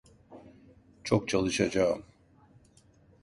Çok çalışacağım.